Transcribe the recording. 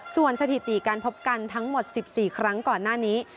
ส่วนสถิติการพบกันทั้งหมด๑๔ครั้งก่อนหน้านี้